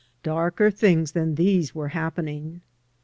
Darker things than these were happening.